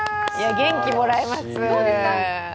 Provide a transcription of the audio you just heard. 元気もらえます。